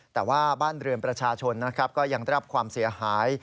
แต่ว่าบ้านเรือนประชาชนก็ยังต้องรับความเสียหาย